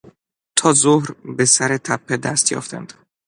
تا ظهر به سر تپه دست یافتند.